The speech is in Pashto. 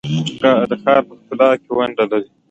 د ښار په ښکلا کې ونډه لري؟